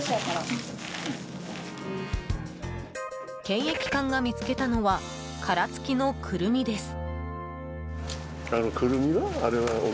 検疫官が見つけたのは殻付きのクルミです。